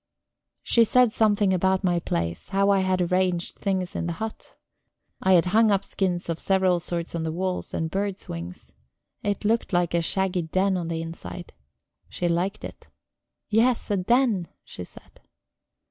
She said something about my place; how I had arranged things in the hut. I had hung up skins of several sorts on the walls, and birds' wings; it looked like a shaggy den on the inside. She liked it. "Yes, a den," she said.